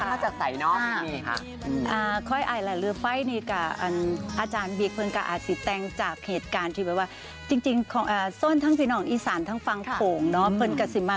ไปงานนี่ดังนั้นก็มีนุ่มสาวที่เขานัดกันไปงานนี่นะคะแล้วคนนี้ก็พอนัดกัน